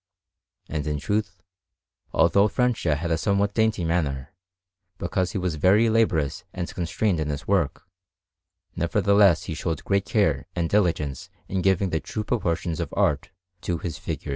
And, in truth, although Francia had a somewhat dainty manner, because he was very laborious and constrained in his work, nevertheless he showed great care and diligence in giving the true proportions of art to his figures.